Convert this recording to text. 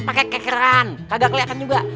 pake kekeran kagak keliatan juga